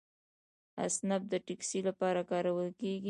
اسنپ د ټکسي لپاره کارول کیږي.